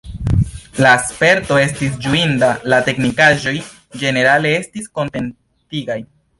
La sperto estis ĝuinda, la teknikaĵoj ĝenerale estis kontentigaj.